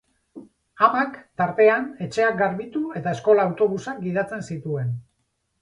Amak, tartean, etxeak garbitu eta eskola-autobusak gidatzen zituen.